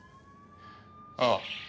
ああ。